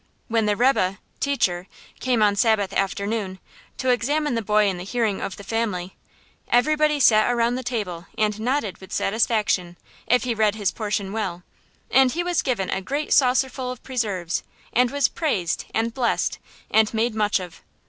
When the rebbe (teacher) came on Sabbath afternoon, to examine the boy in the hearing of the family, everybody sat around the table and nodded with satisfaction, if he read his portion well; and he was given a great saucerful of preserves, and was praised, and blessed, and made much of.